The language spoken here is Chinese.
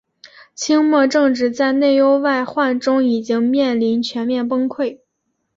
清末政治在内忧外患中已经面临全面崩溃。